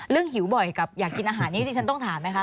หิวบ่อยกับอยากกินอาหารนี้ที่ฉันต้องถามไหมคะ